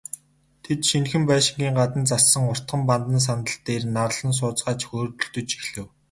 Тэд, шинэхэн байшингийн гадна зассан уртхан бандан сандал дээр нарлан сууцгаагаад хөөрөлдөж эхлэв.